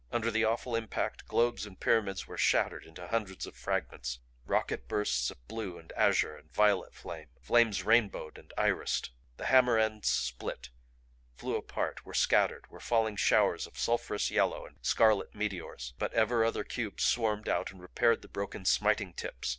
Under the awful impact globes and pyramids were shattered into hundreds of fragments, rocket bursts of blue and azure and violet flame, flames rainbowed and irised. The hammer ends split, flew apart, were scattered, were falling showers of sulphurous yellow and scarlet meteors. But ever other cubes swarmed out and repaired the broken smiting tips.